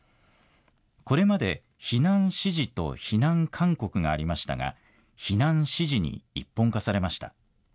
これまで避難指示と避難勧告がありましたが避難指示に一本化されました。